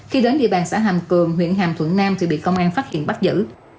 khi đến địa bàn xã hàm cường huyện hàm thuận nam thì bị công an phát hiện bắt giữ